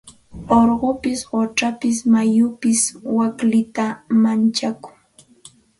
Urqupis quchapis mayupis waklita manchakun.